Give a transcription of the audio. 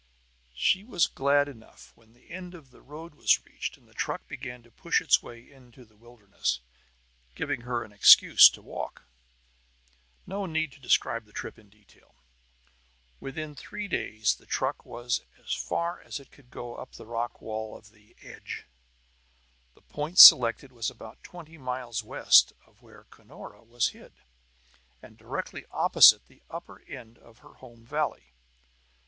She was glad enough when the end of the road was reached and the truck began to push its way into the wilderness, giving her an excuse to walk. No need to describe the trip in detail. Within three days the truck was as far as it could go up the rock wall of the "edge." The point selected was about twenty miles west of where Cunora was hid, and directly opposite the upper end of her home valley.